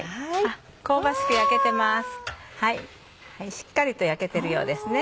しっかりと焼けてるようですね。